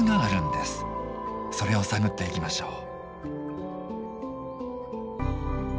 それを探っていきましょう。